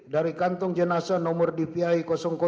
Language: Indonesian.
dari kantung jenasa nomor dvi